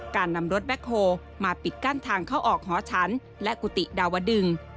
การนำรถแบ็คโฮลมาปิดกั้นทางเข้าออกหอฉันและกุฏิดาวดึง